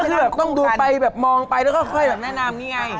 ก็คือต้องดูไปมองไปแล้วค่อยแบบแนะนำเนียไง